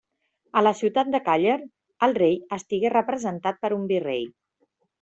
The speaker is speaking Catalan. A la ciutat de Càller, el rei estigué representat per un virrei.